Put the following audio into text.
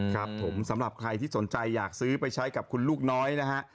ครับผมสำหรับใครที่สนใจอยากซื้อไปใช้กับคุณลูกน้อยนะฮะ